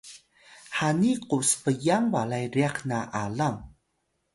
hani ku spyang balay ryax na alang